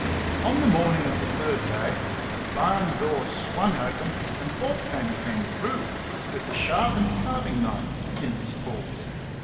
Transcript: On the morning of the third day the barn door swung open, and forth came a kangaroo, with the sharpened carving knife in its paws.